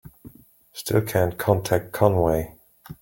Still can't contact Conway.